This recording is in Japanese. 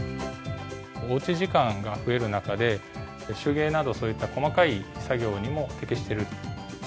おうち時間が増える中で、手芸など、そういった細かい作業にも適している。